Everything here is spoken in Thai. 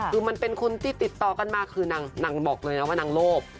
คือมันเป็นคนที่ติดต่อกันมาคือนางบอกเลยนะว่านางโลภ